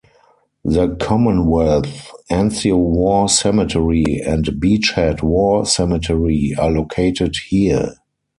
The Commonwealth Anzio War Cemetery and Beach Head War Cemetery are located here.